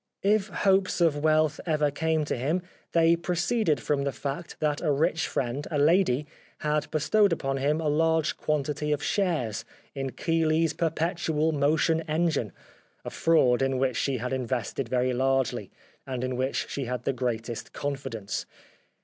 If hopes of wealth ever came to him they proceeded from the fact that a rich friend, a lady, had bestowed upon him a large quantity of shares in Keeley's Perpetual Motion Engine, a fraud in which she had invested very largely, and in which she had the greatest confidence.